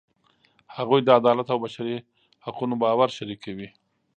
هغوی د عدالت او بشري حقونو باور شریکوي.